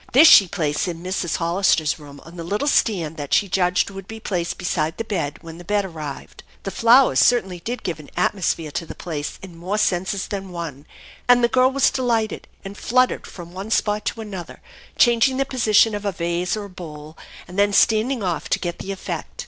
This she placed in Mrs. Hollister's room on the little stand that she judged would be placed beside the bed when the bed arrived. The flowers certainly did give an atmosphere to the place in more senses than one; and the girl was delighted, and fluttered from one spot to another, changing the position of a vase or bowl, and then standing off to get the effect.